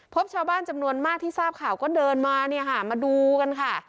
พบชาวบ้านจำนวนมากที่ทราบข่าวก็เดินมาเนี่ยค่ะมาดูกันค่ะ